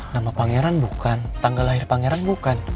nama pangeran bukan tanggal lahir pangeran bukan